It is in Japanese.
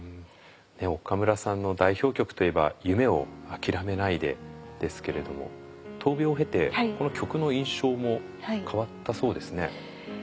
岡村さんの代表曲といえば「夢をあきらめないで」ですけれども闘病を経てこの曲の印象も変わったそうですね。